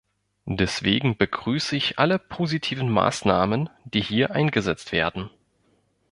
Deswegen begrüße ich alle positiven Maßnahmen, die hier eingesetzt werden.